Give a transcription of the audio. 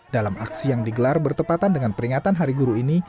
dalam aksi yang digelar bertepatan dengan peringatan hari guru ini